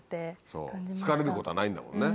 そう好かれることはないんだもんね。